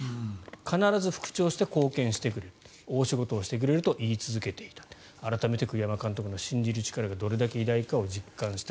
必ず復調して貢献してくれる大仕事をしてくれると言い続けていた改めて栗山監督の信じる力がどれだけ偉大かを実感した。